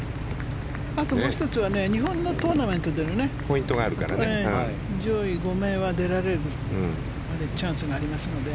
あともう１つは日本のトーナメントでのポイントがありますから上位５名は出られるチャンスがありますので。